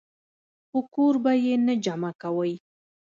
خو کور به ئې نۀ جمع کوئ -